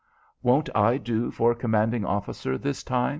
"Won't I do for commanding officer this time?"